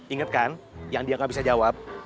inget kan yang dia gak bisa jawab